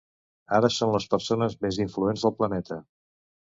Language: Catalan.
Ara són les persones més influents del planeta